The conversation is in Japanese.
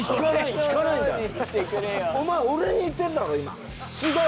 お前俺に言ってんだろう？